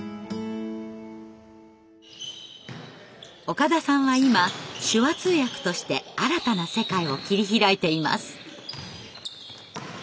岡田さんは今手話通訳として新たな世界を切り開いています。